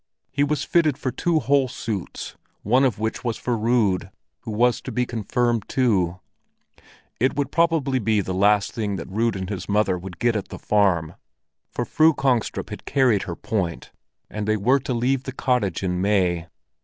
He was fitted for two whole suits, one of which was for Rud, who was to be confirmed too. It would probably be the last thing that Rud and his mother would get at the farm, for Fru Kongstrup had carried her point, and they were to leave the cottage in May.